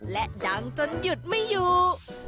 และดังจนหยุดไม่อยู่